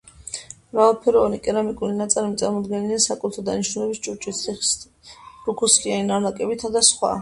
მრავალფეროვანი კერამიკული ნაწარმი წარმოდგენილია საკულტო დანიშნულების ჭურჭლით, თიხის ღრუქუსლიანი ლარნაკებითა და სხვა.